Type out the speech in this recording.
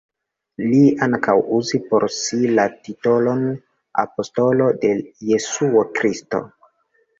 Li ankaŭ uzis por si la titolon apostolo de Jesuo Kristo.